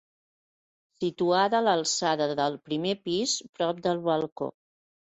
Situada a l'alçada del primer pis, prop del balcó.